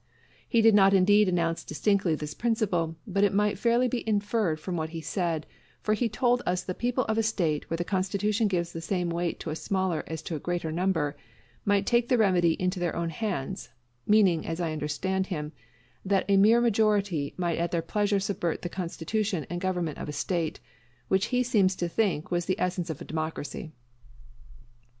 He did not indeed announce distinctly this principle, but it might fairly be inferred from what he said; for he told us the people of a State where the constitution gives the same weight to a smaller as to a greater number, might take the remedy into their own hands; meaning, as I understood him, that a mere majority might at their pleasure subvert the constitution and government of a State, which he seemed to think was the essence of democracy.